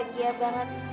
makan yang banyak